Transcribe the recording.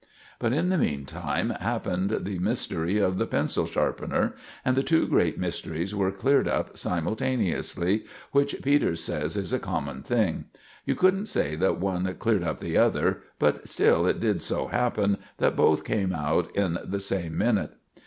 But in the meantime happened the mystery of the pencil sharpener, and the two great mysteries were cleared up simultaneously, which Peters says is a common thing. You couldn't say that one cleared up the other, but still, it did so happen that both came out in the same minute.